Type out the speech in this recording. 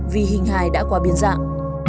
vì hình hài đã qua biến dạng